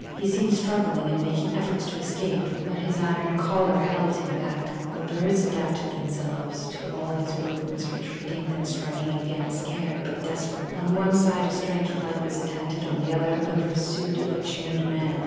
He seemed struggling and making efforts to escape, but his iron collar held him back. The birds adapted themselves to all his movements, retreating, then striking again, scared but desperate. On one side a strange flight was attempted, on the other the pursuit of a chained man.